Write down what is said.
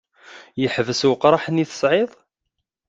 Yeḥbes weqraḥ-nni ay tesɛiḍ?